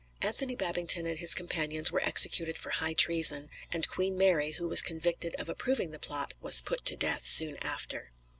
Anthony Babington and his companions were executed for high treason, and Queen Mary, who was convicted of approving the plot, was put to death soon after.